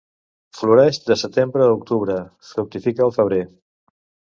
Floreix de setembre a octubre; fructifica el febrer.